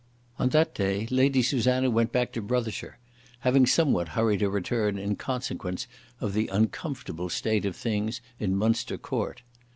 On that day Lady Susanna went back to Brothershire, having somewhat hurried her return in consequence of the uncomfortable state of things in Minister Court.